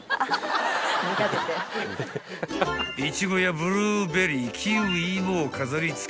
［イチゴやブルーベリーキウイも飾り付け］